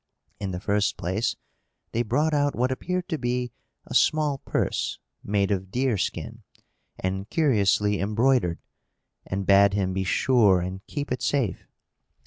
In the first place, they brought out what appeared to be a small purse, made of deer skin, and curiously embroidered, and bade him be sure and keep it safe.